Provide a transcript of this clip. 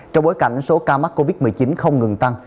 trong bối cảnh số ca mắc covid một mươi chín không ngừng tăng